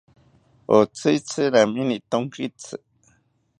Otzitzi ramini tonkitzi